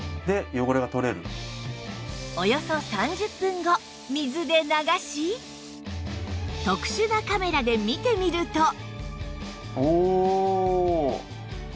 およそ３０分後水で流し特殊なカメラで見てみると